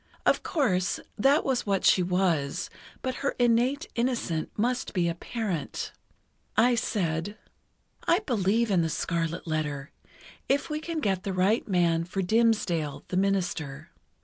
Of course, that was what she was, but her innate innocence must be apparent. I said: "I believe in 'The Scarlet Letter,' if we can get the right man for Dimmesdale, the minister."